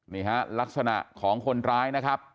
นี่ฮะลักษณะของคนร้ายนะครับ